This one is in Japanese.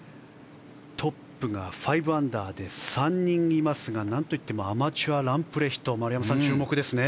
トップが５アンダーで３人いますが何といってもアマチュアのランプレヒト丸山さん、注目ですね。